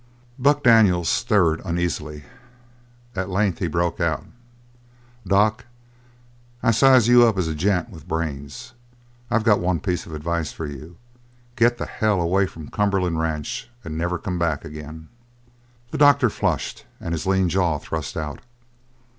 Buck Daniels stirred uneasily. At length he broke out: "Doc, I size you up as a gent with brains. I got one piece of advice for you: get the hell away from the Cumberland Ranch and never come back again!" The doctor flushed and his lean jaw thrust out.